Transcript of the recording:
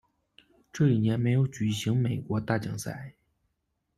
这一年没有举行美国大奖赛。